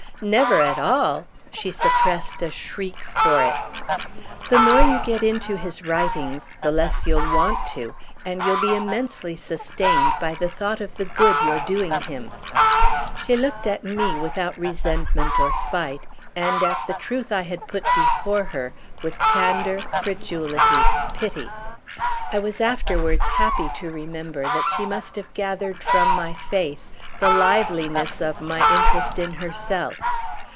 "Never at all?"—she suppressed a shriek for it. "The more you get into his writings the less you'll want to, and you'll be immensely sustained by the thought of the good you're doing him." She looked at me without resentment or spite, and at the truth I had put before her with candour, credulity, pity. I was afterwards happy to remember that she must have gathered from my face the liveliness of my interest in herself.